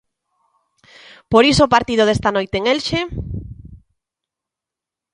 Por iso o partido desta noite en Elxe...